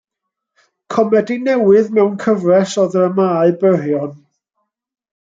Comedi newydd mewn cyfres o ddramâu byrion.